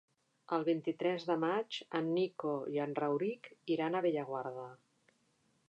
El vint-i-tres de maig en Nico i en Rauric iran a Bellaguarda.